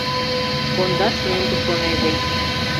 Кондаш мӧҥгӧ шоневе.